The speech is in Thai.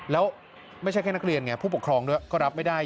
แล้วไม่ใช่แค่นักเรียนไงผู้ปกครองด้วยก็รับไม่ได้